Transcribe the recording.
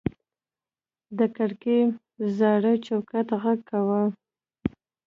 د کړکۍ زاړه چوکاټ غږ کاوه.